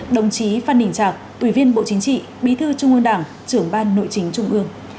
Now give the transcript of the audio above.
đồng chí phan đình trạc ubnd bí thư trung ương đảng trưởng ban nội chính trung ương